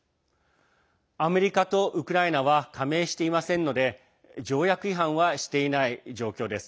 アメリカとウクライナは加盟していませんので条約違反はしていない状況です。